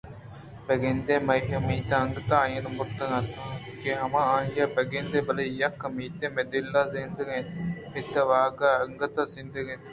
بہ گندے مئے اُمیت انگتءَنہ مرتگ اِت اَنت کہ ما آئیءَ بہ گنداں بلئے یک اُمیتے مئے دل ءَزندگ اَت ءُپت ءِواہگ ہم انگتءَ زندگ اِت اَنت